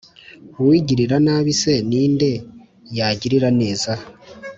Uwigirira nabi se, ni nde yagirira neza?